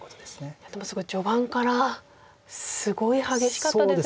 いやでもすごい序盤からすごい激しかったですよね。